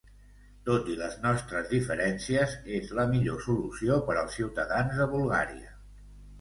Tot i les nostres diferències, és la millor solució per als ciutadans de Bulgària.